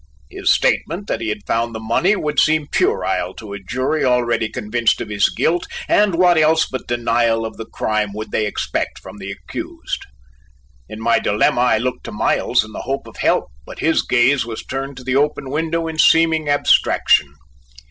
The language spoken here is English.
His statement that he had found the money would seem puerile to a jury already convinced of his guilt, and what else but denial of the crime would they expect from the accused? In my dilemma I looked to Miles in the hope of help, but his gaze was turned to the open window in seeming abstraction.